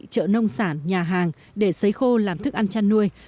chợ nông sản nhà hàng để xấy khô làm thức ăn chăn nuôi